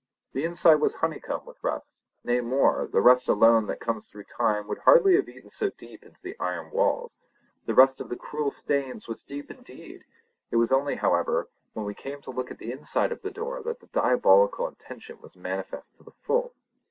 The inside was honeycombed with rust—nay more, the rust alone that comes through time would hardly have eaten so deep into the iron walls; the rust of the cruel stains was deep indeed! It was only, however, when we came to look at the inside of the door that the diabolical intention was manifest to the full.